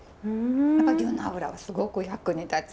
やっぱり牛の脂はすごく役に立つ。